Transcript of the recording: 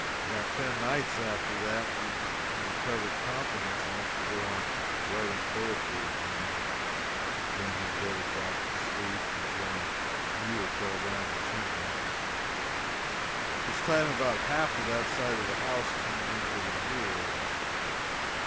About ten nights after that, he recovered confidence enough to go to writing poetry again. Again he dozed off to sleep, and again a mule fell down the chimney. This time, about half of that side of the house came in with the mule.